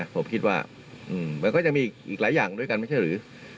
ผมคิดว่ามันก็จะมีอีกหลายอย่างด้วยกันไม่ใช่หรือ